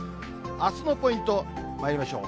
あすのポイント、まいりましょう。